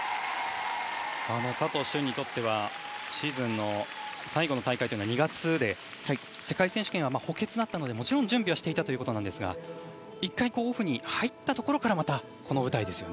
佐藤駿にとってはシーズンの最後の大会は２月で世界選手権は補欠だったのでもちろん準備はしていたということだったんですが１回、オフに入ったところからこの舞台でした。